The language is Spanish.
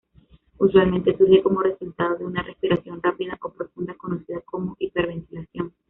Usualmente surge como resultado de una respiración rápida o profunda, conocida como hiperventilación.